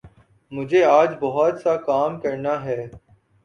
مجھے آج بہت سا کام کرنا ہے